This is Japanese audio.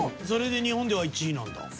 それで日本では１位なんだ。